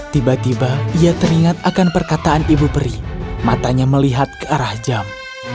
tiba tiba ia teringat akan perkataan ibu peri matanya melihat ke arah jam